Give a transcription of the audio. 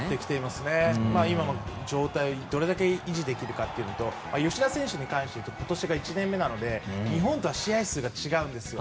今の状態をどれだけ維持できるのかというのと吉田選手に関して言うと今年が１年目なので、日本とは試合数が違うんですよ。